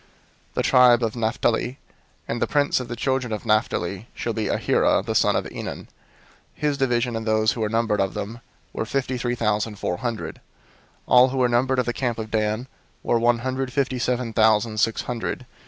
002:029 "The tribe of Naphtali: and the prince of the children of Naphtali shall be Ahira the son of Enan. 002:030 His division, and those who were numbered of them, were fifty three thousand four hundred. 002:031 "All who were numbered of the camp of Dan were one hundred fifty seven thousand six hundred.